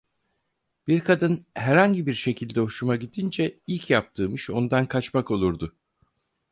Bir kadın herhangi bir şekilde hoşuma gidince ilk yaptığım iş ondan kaçmak olurdu.